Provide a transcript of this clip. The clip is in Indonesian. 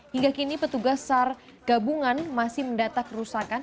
hingga kini petugas sar gabungan masih mendata kerusakan